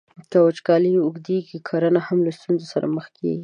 که وچکالۍ اوږدیږي، کرنه هم له ستونزو سره مخ کیږي.